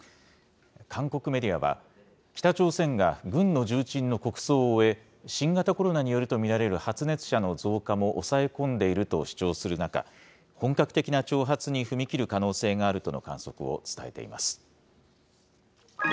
韓国メディアは、北朝鮮が軍の重鎮の国葬を終え、新型コロナによると見られる発熱者の増加も抑え込んでいると主張する中、本格的な挑発に踏み切る可能性があるとの観測を伝えています。